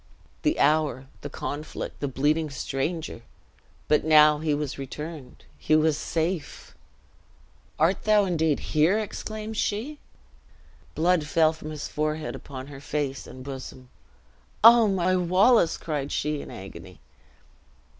The hour the conflict the bleeding stranger! But now he was returned he was safe! "Art thou indeed here!" exclaimed she. Blood fell from his forehead upon her face and bosom: "O, my Wallace!" cried she, in agony.